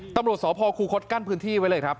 ตำรวจสพคูคศกั้นพื้นที่ไว้เลยครับ